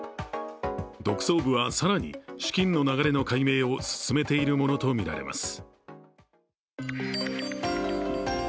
特捜部は更に、資金の流れの解明を進めているものとみられます。